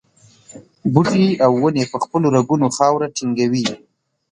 بوټي او ونې په خپلو رګونو خاوره ټینګوي.